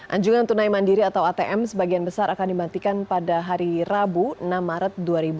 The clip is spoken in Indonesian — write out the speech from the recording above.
anjungan tunai mandiri atau atm sebagian besar akan dimantikan pada hari rabu enam maret dua ribu dua puluh